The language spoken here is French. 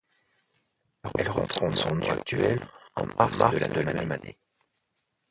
Elle reprend son nom actuel en mars de la même année.